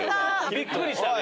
びっくりしたね。